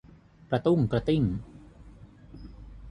กระตุ้งกระติ้ง